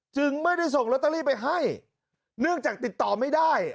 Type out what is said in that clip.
จึงไม่ได้ส่งลอตเตอรี่ไปให้เนื่องจากติดต่อไม่ได้